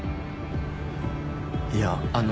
いやあの。